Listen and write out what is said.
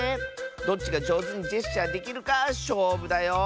どっちがじょうずにジェスチャーできるかしょうぶだよ。